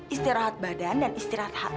istirahat badan dan istirahat